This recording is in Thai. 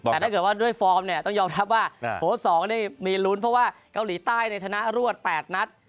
แต่ถ้าเกิดว่าด้วยฟอร์มเนี่ยต้องยอมรับว่าโถ๒นี่มีลุ้นเพราะว่าเกาหลีใต้ชนะรวด๘นัด